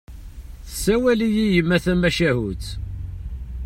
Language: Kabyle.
Tsawel-iyi yemma tamacahut.